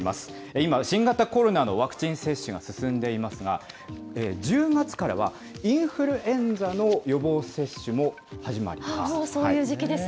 今、新型コロナのワクチン接種が進んでいますが、１０月からは、インフルエンザの予防接種も始まもうそういう時期ですね。